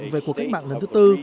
về cuộc cách mạng lần thứ tư